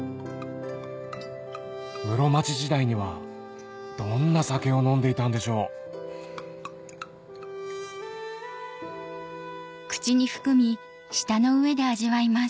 室町時代にはどんな酒を飲んでいたんでしょうあ。